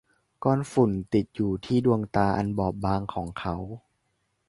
ก้อนฝุ่นติดอยู่ที่ดวงตาอันบอบบางของเขา